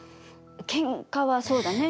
けんかはそうだね。